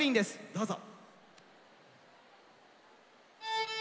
どうぞ。